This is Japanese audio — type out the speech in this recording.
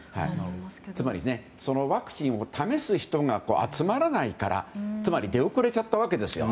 つまり、そのワクチンを試す人が集まらないからつまり出遅れちゃったわけです。